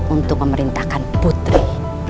untuk memerintahkan putri